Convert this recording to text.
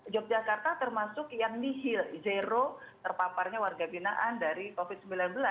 yogyakarta termasuk yang nihil zero terpaparnya warga binaan dari covid sembilan belas